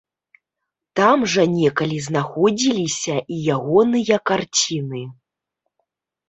Там жа некалі знаходзіліся і ягоныя карціны.